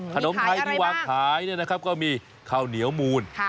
ขนมไทยที่วางขายเนี่ยนะครับก็มีข้าวเหนียวมูล